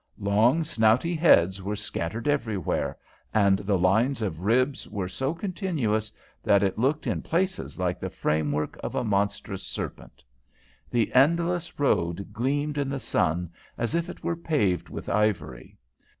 Long, snouty heads were scattered everywhere, and the lines of ribs were so continuous that it looked in places like the framework of a monstrous serpent. The endless road gleamed in the sun as if it were paved with ivory.